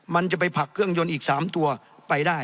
มันจะไปผลักเครื่องยนต์อีก๓ตัวไปได้